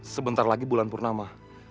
sebentar lagi bulan purnama